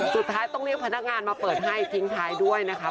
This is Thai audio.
สุดท้ายต้องเรียกพนักงานมาเปิดให้ทิ้งท้ายด้วยนะคะ